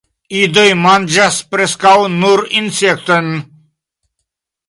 Idoj manĝas preskaŭ nur insektojn.